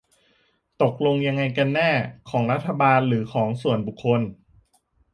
ตกลงยังไงกันแน่ ของรัฐบาล หรือของส่วนบุคคล ?